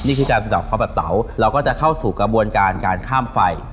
นี่คือการสะดอกเขาแบบเตาเราก็จะเข้าสู่กระบวนการการข้ามไฟ